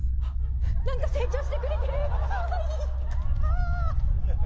何か成長してくれてる！